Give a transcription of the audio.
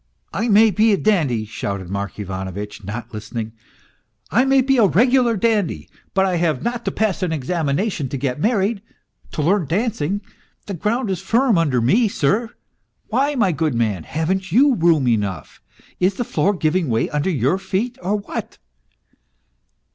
" I may be a dandy," shouted Mark Ivanovitch, not listening; " I may be a regular dandy, but I have not to pass an examination to get married to learn dancing; the ground is firm under me, sir. Why, my good man, haven't you room enough ? Is the floor giving way under your feet, or what